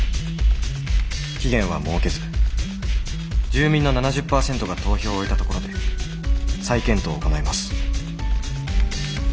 期限は設けず住民の７０％が投票を終えたところで再検討を行います。